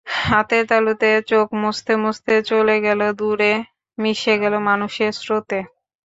হাতের তালুতে চোখ মুছতে মুছতে চলে গেল দূরে, মিশে গেল মানুষের স্রোতে।